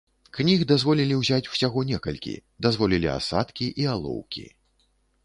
Кніг дазволілі ўзяць усяго некалькі, дазволілі асадкі і алоўкі.